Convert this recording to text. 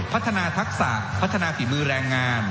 ทักษะพัฒนาฝีมือแรงงาน